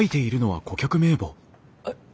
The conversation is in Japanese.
えっ。